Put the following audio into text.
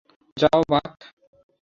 যাও, বাক।